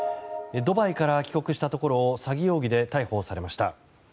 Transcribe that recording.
ドバイから帰国したところを詐欺容疑で逮捕されました。